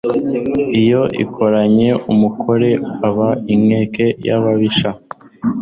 Iyo yikoranye umukore aba inkeke y' ababisha;